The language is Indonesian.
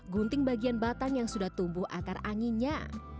gunting bagian batang yang sudah tumbuh akar anginnya